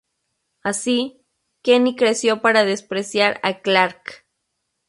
Así, Kenny creció para despreciar a Clark.